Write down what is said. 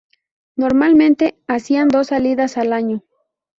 Normalmente hacían dos salidas al año.